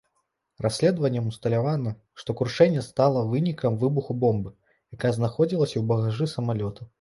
Расследаваннем усталявана, што крушэнне стала вынікам выбуху бомбы, якая знаходзілася ў багажы самалёта.